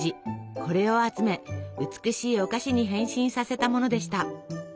これを集め美しいお菓子に変身させたものでした。